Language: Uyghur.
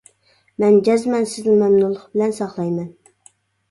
-مەن جەزمەن سىزنى مەمنۇنلۇق بىلەن ساقلايمەن.